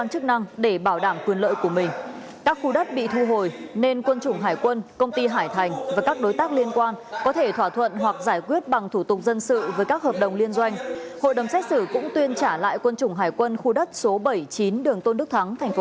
hãy đăng ký kênh để ủng hộ kênh của chúng mình nhé